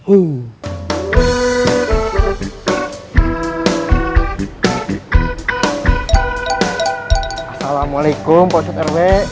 assalamualaikum pak ustadz rw